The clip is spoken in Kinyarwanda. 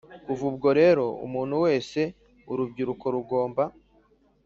Kuva ubwo rero umuntu wese Urubyiruko rugomba